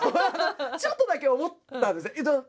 ちょっとだけ思ったんだけど。